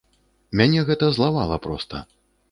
Мяне гэта злавала проста.